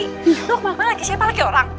lu kemarin laki siapa lagi orang